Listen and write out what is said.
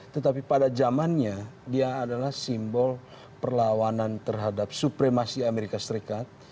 tetapi pada zamannya dia adalah simbol perlawanan terhadap supremasi amerika serikat